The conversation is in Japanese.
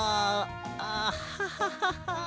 あハハハハ。